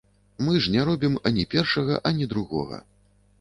Мы ж не робім ані першага, ані другога.